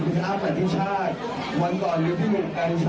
มีดาราหลังไหลที่มาวันนี้นอกจากโรงประการปีคุณศัพท์ประชาชน์